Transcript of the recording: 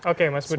oke mas budi